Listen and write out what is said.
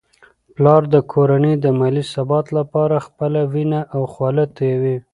پلار د کورنی د مالي ثبات لپاره خپله وینه او خوله تویوي.